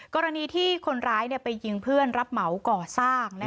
กรณีที่คนร้ายไปยิงเพื่อนรับเหมาก่อสร้าง